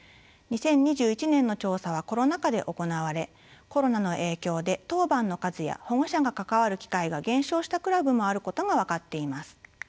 ２０２１年の調査はコロナ禍で行われコロナの影響で当番の数や保護者が関わる機会が減少したクラブもあることが分かっています。